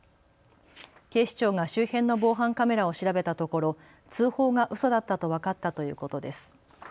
警視庁が周辺の防犯カメラを調べたところ、通報がうそだったと分かったということです。